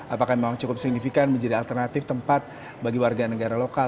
apakah memang cukup signifikan menjadi alternatif tempat bagi warga negara lokal